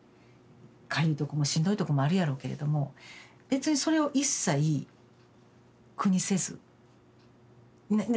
かゆいとこもしんどいとこもあるやろうけれども別にそれを一切苦にせず言わないんですよ。